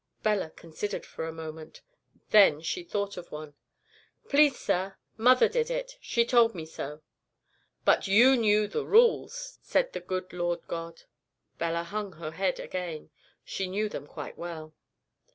"Bella considered for a moment. Then she thought of one. "'Please, sir, mother did it. She told me so.' "'But you knew the rules,' said the good Lord God. "Bella hung her head again. She knew them quite well.